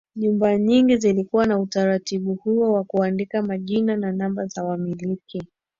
Nyumba nyingi zilikuwa na utaratibu huo wa kuandika majina na namba za wamiliki